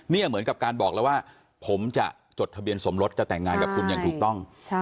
เหมือนกับการบอกแล้วว่าผมจะจดทะเบียนสมรสจะแต่งงานกับคุณอย่างถูกต้อง